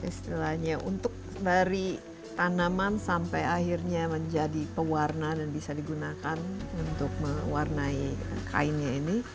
istilahnya untuk dari tanaman sampai akhirnya menjadi pewarna dan bisa digunakan untuk mewarnai kainnya ini